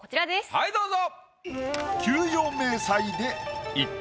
はいどうぞ。